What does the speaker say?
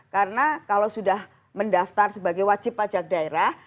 karena kalau sudah mendaftar sebagai wajib pajak daerah